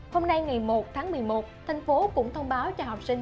hôm nay ngày một tháng một mươi một thành phố cũng thông báo cho học sinh